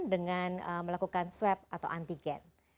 dengan melakukan swab atau antigen